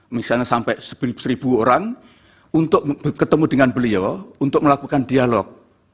misalnya sampai seribu orang untuk ketemu dengan beliau untuk melakukan dialog